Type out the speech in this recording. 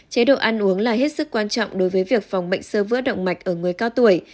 chế độ ăn uống là hết sức quan trọng đối với việc phòng bệnh sơ vữa động mạch ở người cao tuổi